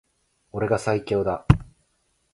俺が最強だ